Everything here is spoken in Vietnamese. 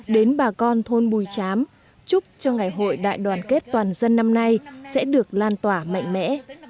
đến bà con thôn bùi chám chúc cho ngày hội đại đoàn kết toàn dân năm nay sẽ được lan tỏa mạnh mẽ